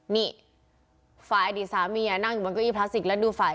นี่ฝ่ายอดีตสามีนั่งอยู่บนเก้าอี้พลาสติกแล้วดูฝ่าย